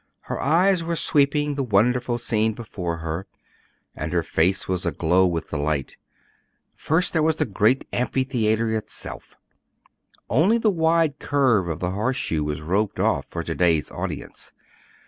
Her eyes were sweeping the wonderful scene before her, and her face was aglow with delight. First there was the great amphitheater itself. Only the wide curve of the horseshoe was roped off for to day's audience.